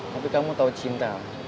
tapi kamu tau cinta